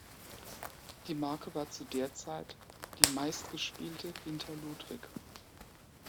Die Marke war zu der Zeit die meistgespielte hinter Ludwig.